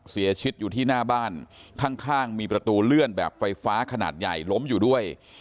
เสียชีวิตอยู่ที่หน้าบ้านข้างมีประตูเลื่อนแบบไฟฟ้าขนาดใหญ่ล้มอยู่ด้วย